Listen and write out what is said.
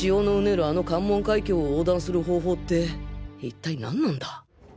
あの関門海峡を横断する方法って一体何なんだ？